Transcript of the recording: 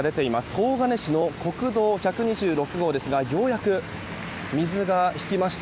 東金市の国道１２６号ですがようやく水が引きました。